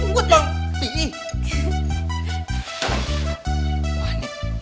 pergi bang pih